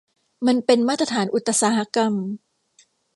มันเป็นมาตรฐานอุตสาหกรรม